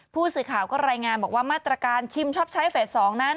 ผู้สื่อข่าวก็รายงานบอกว่ามาตรการชิมชอบใช้เฟส๒นั้น